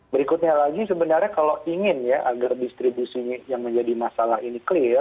berikutnya lagi sebenarnya kalau ingin ya agar distribusi yang menjadi masalah ini clear